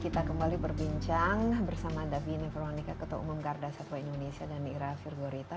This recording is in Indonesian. kita kembali berbincang bersama davi neferronika ketua umum garda satwa indonesia dan irafir gorita